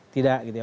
tidak gitu ya